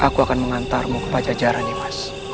aku akan mengantarmu kepada jara nimas